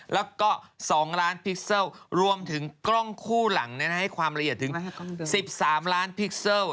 แล้วก็๒ล้านพิกเซิลรวมถึงกล้องคู่หลังให้ความละเอียดถึง๑๓ล้านพิกเซล